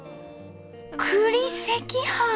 「栗赤飯」！